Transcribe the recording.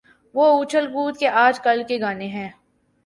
جو اچھل کود کے آج کل کے گانے ہیں۔